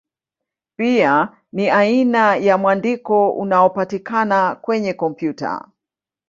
Pia ni aina ya mwandiko unaopatikana kwenye kompyuta.